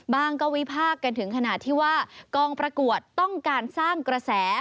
ก็วิพากษ์กันถึงขนาดที่ว่ากองประกวดต้องการสร้างกระแส